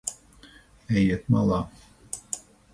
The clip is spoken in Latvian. Ejiet malā.